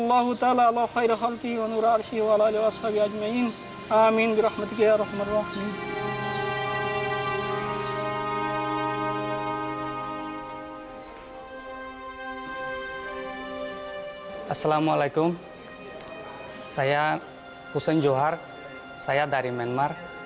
assalamualaikum saya hussein johar saya dari myanmar